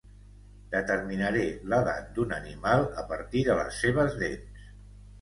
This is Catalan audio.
Determinaré l'edat d'un animal a partir de les seves dents.